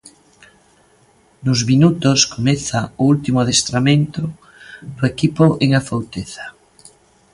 Nuns minutos comeza o último adestramento do equipo en Afouteza.